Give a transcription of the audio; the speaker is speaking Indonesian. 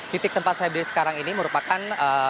titik tempat saya berdiri sekarang ini merupakan